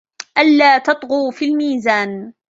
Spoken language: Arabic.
ألا تطغوا في الميزان